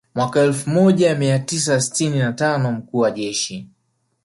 Mwaka elfu moja mia tisa sitini na tano mkuu wa jeshi